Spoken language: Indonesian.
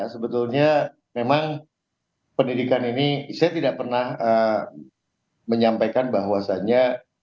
sebetulnya memang pendidikan ini saya tidak pernah menyampaikan bahwasannya